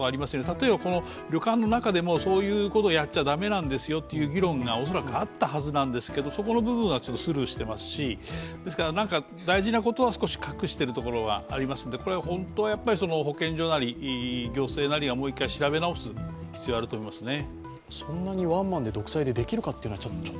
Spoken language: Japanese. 例えば、この旅館の中でも、そういうことをやっちゃ駄目なんですよという議論があったはずなのに恐らくあったはずなんですけどそこの部分はスルーしていますし、ですからなんか大事なところを隠しているところがあると思いますしこれは本当は保健所なり行政なりがもう一回調べ直す必要がありますね。